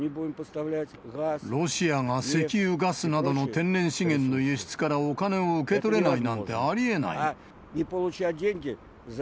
ロシアが石油・ガスなどの天然資源の輸出からお金を受け取れないなんてありえない。